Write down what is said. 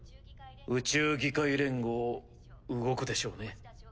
宇宙議会連合動くでしょうね。